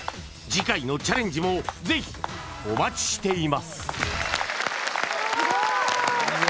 次回のチャレンジもぜひお待ちしていますすごい！